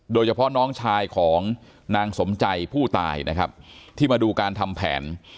โดยเฉพาะน้องชายของนางสมใจผู้ตายนะครับที่มาดูการทำแผน